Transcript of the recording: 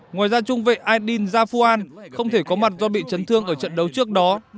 ngoài ra trung vệ aydin zafuan không thể có mặt do bị chấn thương ở trận đấu trước đó